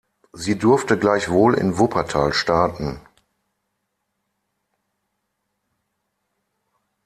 Sie durfte gleichwohl in Wuppertal starten.